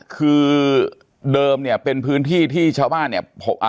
คือเดิมเนี่ยเป็นพื้นที่ที่ชาวบ้านเนี่ย